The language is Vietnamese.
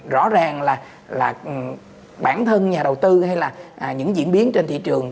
rõ ràng là bản thân nhà đầu tư hay là những diễn biến trên thị trường